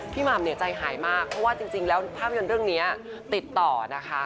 หม่ำเนี่ยใจหายมากเพราะว่าจริงแล้วภาพยนตร์เรื่องนี้ติดต่อนะคะ